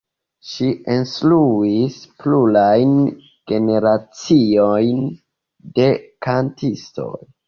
Ŝi instruis plurajn generaciojn de kantistoj.